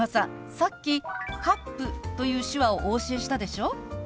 さっき「カップ」という手話をお教えしたでしょう？